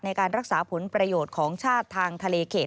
ในการรักษาผลประโยชน์ของชาติทางทะเลเขต